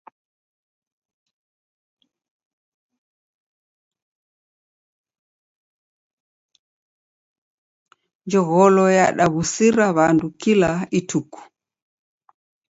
Njogholo yadaw'usira w'andu kila ituku.